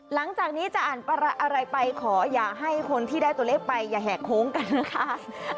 หลังจากนี้จะอ่านอะไรไปขออย่าให้คนที่ได้ตัวเลขไปอย่าแหกโค้งกันนะคะ